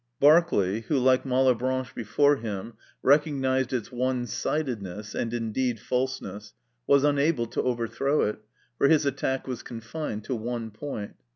Berkeley, who, like Malebranche before him, recognised its one sidedness, and indeed falseness, was unable to overthrow it, for his attack was confined to one point.